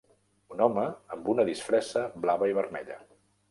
Un home amb una disfressa blava i vermella.